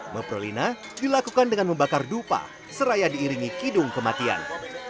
meprolina dilakukan dengan membakar dupa seraya diiringi kidung kematian